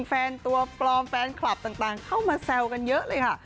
แฟนตัวปลอมแฟนคลับต่างเข้ามาแซวกันเยอะเลยค่ะ